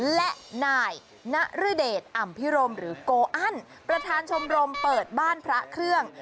และนายนรเดชอ่ำพิรมหรือโกอันประธานชมรมเปิดบ้านพระเครื่อง